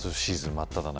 まっただ中？